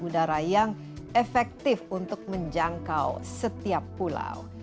udara yang efektif untuk menjangkau setiap pulau